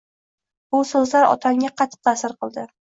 Bu so'zlar otamga qattiq ta'sir qildi